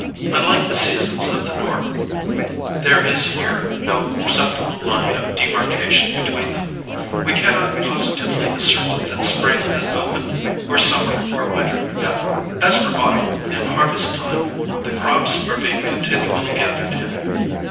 Unlike the seasons of the North, there is here no perceptible line of demarcation between them. We cannot positively assert that spring has opened or summer or winter begun. As for autumn and harvest time, the crops are being continually gathered in.